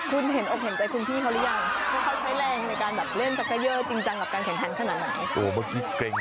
สิ่งที่สำคัญหนึ่งคุณคุยภูมิหรือยัง